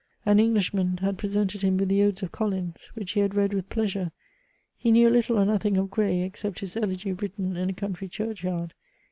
An Englishman had presented him with the odes of Collins, which he had read with pleasure. He knew little or nothing of Gray, except his ELEGY written in a country CHURCH YARD.